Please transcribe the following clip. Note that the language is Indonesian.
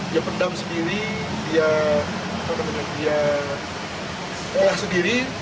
dia pendam sendiri dia olah sendiri